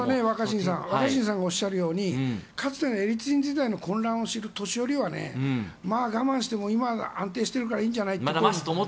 若新さんがおっしゃるようにかつてのエリツィン時代の混乱を知る年寄りは我慢しても今、安定しているからいいんじゃないと。